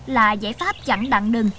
là giải pháp chẳng đặn đừng